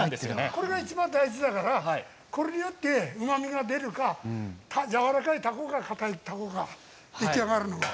これが大事だからこれによってうまみが出るかやわらかいたこかかたいたこか出来上がるのが。